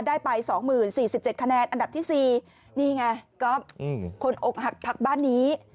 ได้ไป๒๐๔๗คะแนนอันดับที่๔นี่ไงก๊อฟคนอกหักพักบ้านนี้